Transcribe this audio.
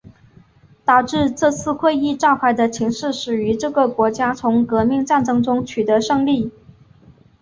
导致这次会议召开的情势始于这个国家从革命战争中取得胜利。